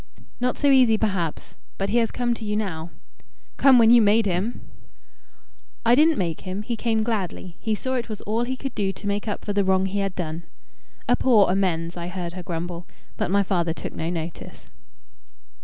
"Not so easy perhaps. But he has come to you now." "Come when you made him!" "I didn't make him. He came gladly. He saw it was all he could do to make up for the wrong he had done." "A poor amends!" I heard her grumble; but my father took no notice.